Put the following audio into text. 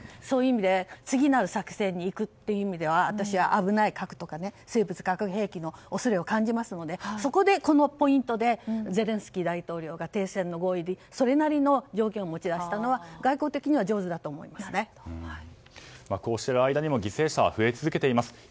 そういう意味次なる作戦にいくという意味では私は危ない核とか生物兵器の恐れを感じますのでそこで、このポイントでゼレンスキー大統領が停戦の合意にそれなりの条件を持ち出したのはこうしている間にも犠牲者は増え続けています。